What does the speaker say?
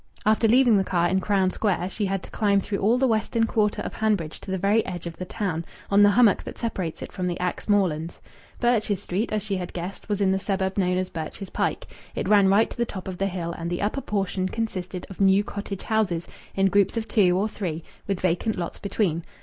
After leaving the car in Crown Square, she had to climb through all the western quarter of Hanbridge to the very edge of the town, on the hummock that separates it from the Axe Moorlands. Birches Street, as she had guessed, was in the suburb known as Birches Pike. It ran right to the top of the hill, and the upper portion consisted of new cottage houses in groups of two or three, with vacant lots between.